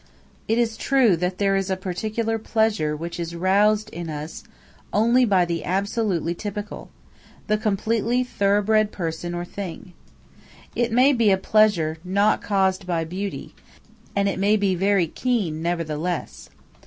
It is true that there is a particular pleasure which is roused in us only by the absolutely typical the completely thoroughbred person or thing. It may be a pleasure not caused by beauty, and it may be very keen, nevertheless.